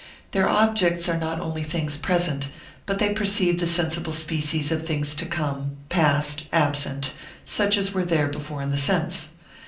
Their objects are not only things present, but they perceive the sensible species of things to come, past, absent, such as were before in the sense.